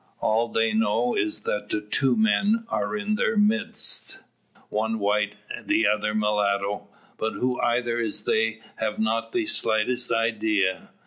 All they know is that two men are in their midst, one white, the other a mulatto, but who either is they have not the slightest idea.